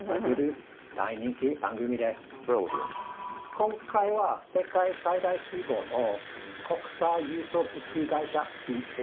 今回は世界最大規模の国際輸送物流会社ＤＨＬ。